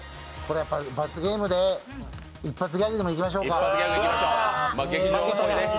罰ゲームで一発ギャグでもいきましょうか。